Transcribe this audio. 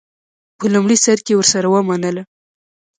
په لومړي سر کې ورسره ومنله.